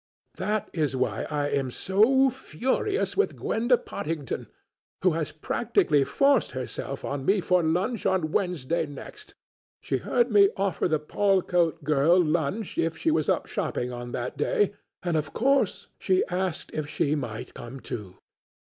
That is why I am so furious with Gwenda Pottingdon, who has practically forced herself on me for lunch on Wednesday next; she heard me offer the Paulcote girl lunch if she was up shopping on that day, and, of course, she asked if she might come too.